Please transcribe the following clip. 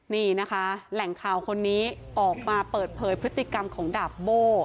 นี่นะคะแหล่งข่าวคนนี้ออกมาเปิดเผยพฤติกรรมของดาบโบ้